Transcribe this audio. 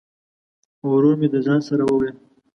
ورور مي د ځان سره وویل !